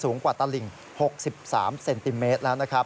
กว่าตลิ่ง๖๓เซนติเมตรแล้วนะครับ